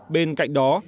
bên cạnh đó